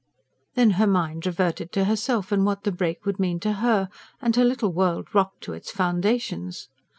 Then her mind reverted to herself and to what the break would mean to her; and her little world rocked to its foundations.